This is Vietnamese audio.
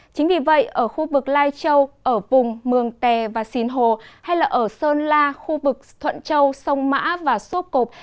chính vì vậy ở khu vực lai châu ở vùng mường tè và sinh hồ hay là ở sơn la khu vực thuận châu sông mã và sốt cục